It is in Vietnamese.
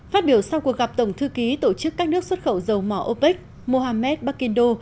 phát biểu sau cuộc gặp tổng thư ký tổ chức các nước xuất khẩu dầu mỏ opec mohammed bakindo